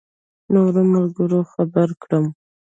نورو ملګرو خبر کړم.